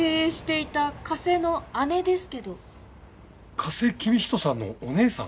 加瀬公仁さんのお姉さん？